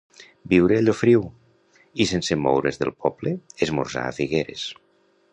Viure a Llofriu; i sense moure's del poble, esmorzar a Figueres.